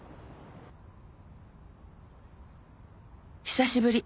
「久しぶり。